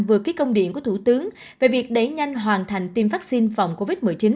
vừa ký công điện của thủ tướng về việc đẩy nhanh hoàn thành tiêm vaccine phòng covid một mươi chín